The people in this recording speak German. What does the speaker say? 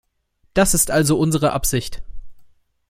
Das ist also unsere Absicht.